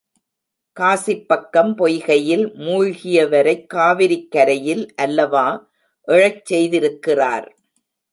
Gossip பக்கம் பொய்கையில் மூழ்கியவரைக் காவிரிக் கரையில் அல்லவா எழச் செய்திருக்கிறார்.